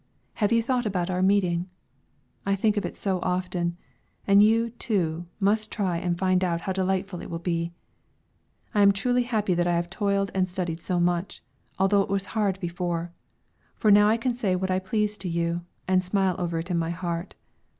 Have you thought about our meeting? I think of it so often, and you, too, must try and find out how delightful it will be. I am truly happy that I have toiled and studied so much, although it was hard before; for now I can say what I please to you, and smile over it in my heart.